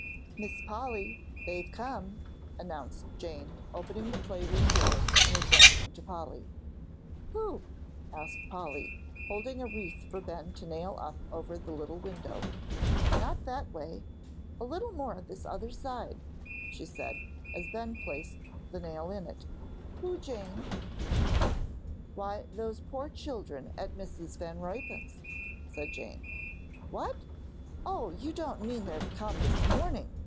"Miss Polly, they've come," announced Jane, opening the playroom door, and advancing to Polly. "Who?" asked Polly, holding a wreath for Ben to nail up over the little window "not that way, a little more this other side," she said, as Ben placed the nail in. "Who, Jane?" "Why, those poor children at Mrs. Van Ruypen's," said Jane. "What? Oh, you don't mean they've come this morning!"